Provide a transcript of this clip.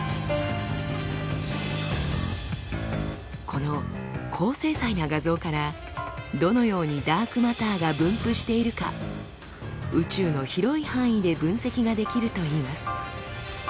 この高精細な画像からどのようにダークマターが分布しているか宇宙の広い範囲で分析ができるといいます。